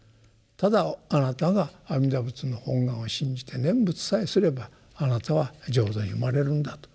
ただあなたが阿弥陀仏の本願を信じて念仏さえすればあなたは浄土に生まれるんだと。